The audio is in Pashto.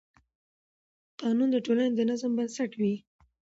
قانون د ټولنې د نظم بنسټ دی.